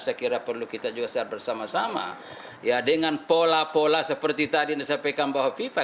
saya kira perlu kita juga secara bersama sama ya dengan pola pola seperti tadi yang disampaikan bahwa viva